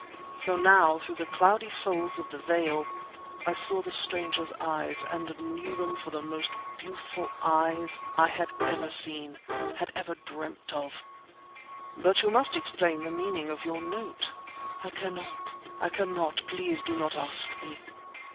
So, now, through the cloudy folds of the veil, I saw the stranger's eyes, and knew them for the most beautiful eyes I had ever seen, had ever dreamt of. "But you must explain the meaning of your note!" "I cannot! I cannot! Please do not ask me!"